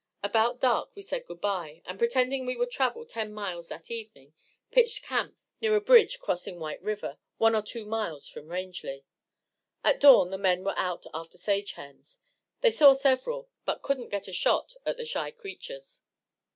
About dark we said good bye, and pretending we would travel ten miles that evening, pitched camp near a bridge crossing White River, one or two miles from Rangely. At dawn the men were out after sage hens. They saw several, but couldn't get a shot at the shy creatures.